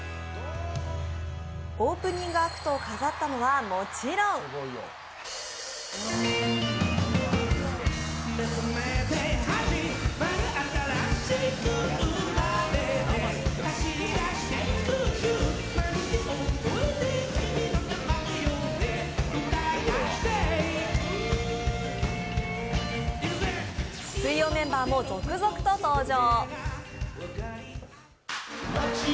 オープニングアクトを飾ったのはもちろん水曜メンバーも続々と登場。